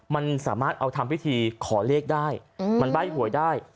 มันสามารถเอาทำพิธีขอเลขได้มันใบ้หวยได้